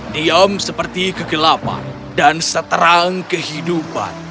diam seperti kegelapan dan seterang kehidupan